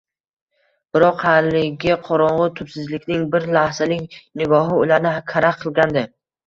Biroq haligi qorong‘u tubsizlikning bir lahzalik nigohi ularni karaxt qilgandi